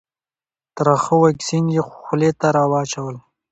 ترخه واکسین یې خولې ته راواچول.